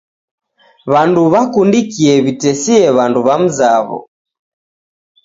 Wandu wikundikie witesie wandu wa mzawo.